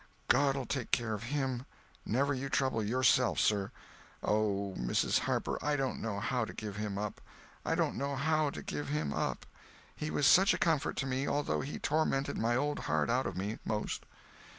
God'll take care of him—never you trouble _your_self, sir! Oh, Mrs. Harper, I don't know how to give him up! I don't know how to give him up! He was such a comfort to me, although he tormented my old heart out of me, 'most."